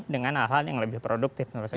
dengan hal hal yang lebih produktif